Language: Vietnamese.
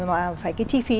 mà phải cái chi phí